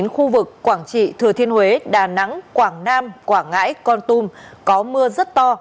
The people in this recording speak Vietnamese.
khu vực quảng trị thừa thiên huế đà nẵng quảng nam quảng ngãi con tum có mưa rất to